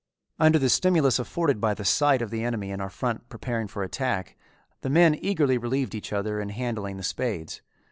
Under the stimulus afforded by the sight of the enemy in our front preparing for attack, the men eagerly relieved each other in handling the spades.